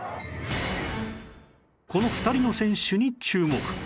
この２人の選手に注目